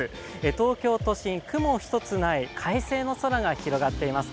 東京都心、雲一つない快晴の空が広がっています。